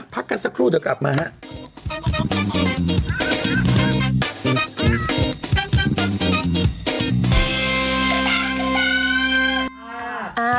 พักกันสักครู่เดี๋ยวกลับมาฮะ